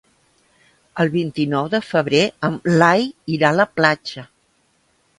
El vint-i-nou de febrer en Blai irà a la platja.